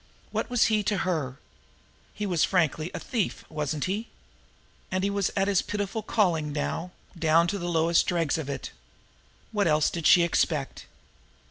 What was he to her? He was frankly a thief, wasn't he? And he was at his pitiful calling now down to the lowest dregs of it. What else did she expect?